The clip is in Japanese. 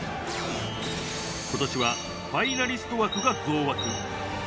ことしは、ファイナリスト枠が増枠。